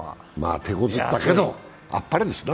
手こずったけどあっぱれですな？